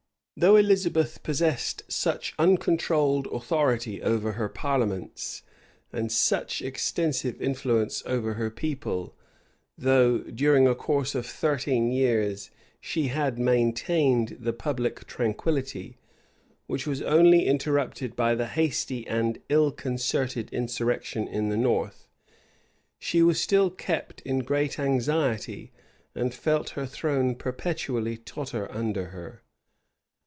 * 13 Eliz. c. 2. 13 Eliz. c. 8. Though Elizabeth possessed such uncontrolled authority over her parliaments, and such extensive influence over her people; though, during a course of thirteen years, she had maintained the public tranquillity, which was only interrupted by the hasty and ill concerted insurrection in the north; she was still kept in great anxiety, and felt her throne perpetually totter under her.